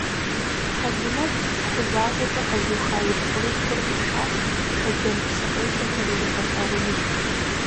Хьэлимэт «тху» защӀэкӀэ къэзыуха и пхъурылъхур къишащ, Шэджэм псыкъелъэхэр иригъэлъагъуну.